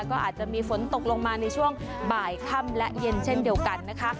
ก็อาจจะมีฝนตกลงมาในช่วงบ่ายค่ำและเย็นเช่นเดียวกันนะคะ